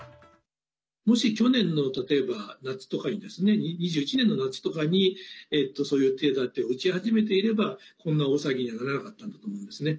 もし去年の例えば夏とかに２０２１年の夏とかにそういう手だてを打ち始めていればこんな大騒ぎにはならなかったんだと思うんですね。